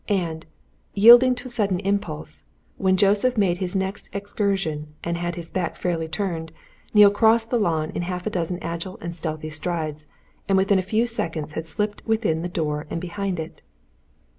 And yielding to a sudden impulse when Joseph made his next excursion and had his back fairly turned, Neale crossed the lawn in half a dozen agile and stealthy strides, and within a few seconds had slipped within the open door and behind it.